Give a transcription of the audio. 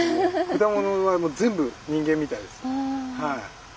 果物は全部人間みたいです。